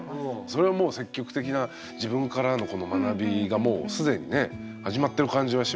それはもう積極的な自分からのこの学びがもう既にね始まってる感じはしますよね。